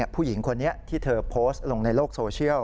ผู้หญิงคนนี้ที่เธอโพสต์ลงในโลกโซเชียล